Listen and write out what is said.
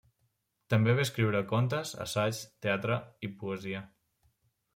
També va escriure contes, assaigs, teatre i poesia.